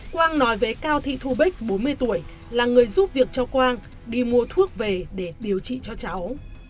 quang nói với cao thị thu bích bốn mươi tuổi là người giúp việc cho quang đi mua thuốc về để điều trị cho cháu